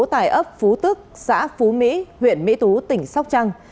tại ấp phú tức xã phú mỹ huyện mỹ tú tỉnh sóc trăng